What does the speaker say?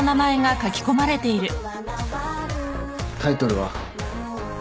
タイトルは？